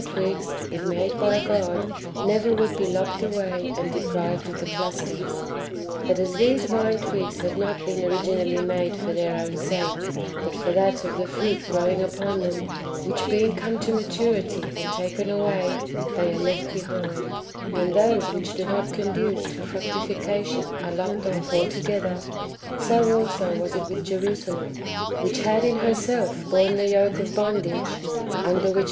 twigs, if made by God, never would be lopped away and deprived of the clusters. But as these [vine twigs] have not been originally made for their own sake, but for that of the fruit growing upon them, which being come to maturity and taken away, they are left behind, and those wdiich do not conduce to fructification are lopped off altogether; so also [was it with] Jerusalem, which had in herself borne the yoke of bondage (under which m.